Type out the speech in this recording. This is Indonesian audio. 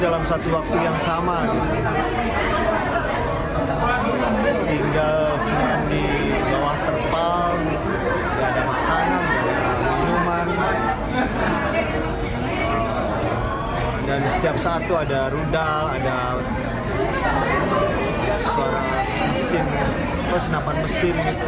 dan setiap saat itu ada rudal ada suara mesin pesenapan mesin